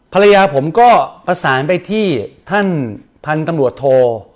ภรรยาผมก็ประสานไปที่ท่านพันธุ์ตำรวจโท